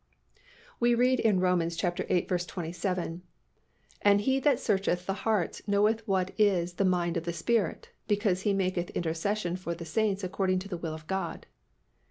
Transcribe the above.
We read in Rom. viii. 27, "And He that searcheth the hearts knoweth what is the mind of the Spirit, because He maketh intercession for the saints according to the will of God."